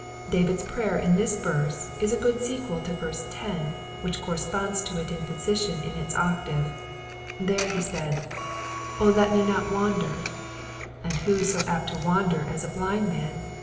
David's prayer in this verse is a good secjuel to verse 10, which corresponds to it in position in its octave : there he said, O let me not wander," and who so apt to wander as a blind man